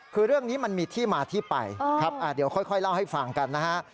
คือเรื่องนี้มันมีที่มาที่ไปครับเดี๋ยวค่อยเล่าให้ฟังกันนะฮะ